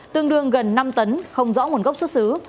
tương đương gần năm tấn không rõ nguồn gốc xuất xứ